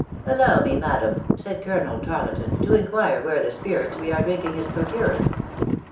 "Allow me, madam," said Colonel Tarleton, "to inquire where the spirits we are drinking is procured."